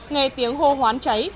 nghe tiếng hô hoán cháy